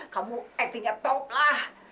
kamu berpikirnya tokah